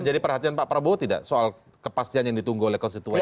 jadi perhatian pak prabowo tidak soal kepastian yang ditunggu oleh konstituenya